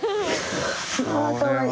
あぁかわいい。